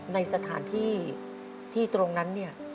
ในสถานที่